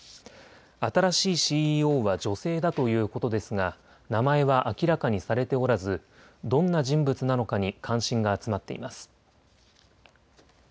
新しいＣＥＯは女性だということですが名前は明らかにされておらず、どんな人物なのかに関心が集まっています。